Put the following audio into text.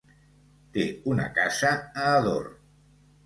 Té una casa a Ador.